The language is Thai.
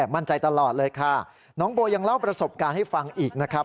มั่นใจตลอดเลยค่ะน้องโบยังเล่าประสบการณ์ให้ฟังอีกนะครับ